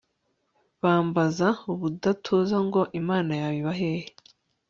bambaza ubudatuza ngo imana yawe iba hehe